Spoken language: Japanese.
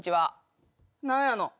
何やの？